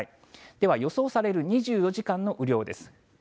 では予想される２４時間の雨量です。